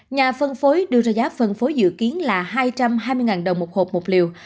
nhà phân phối đưa ra giá phân phối dự kiến là hai trăm hai mươi đồng một hộp một liều